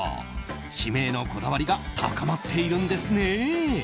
シメへのこだわりが高まっているんですね。